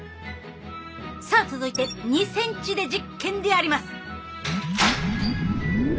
さあ続いて２ｃｍで実験であります。